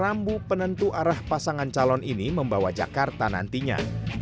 jadi rambu penentu arah pasangan calon ini membawa jakarta nantinya